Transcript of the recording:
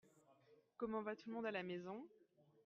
Comment va tout le monde à la maison ?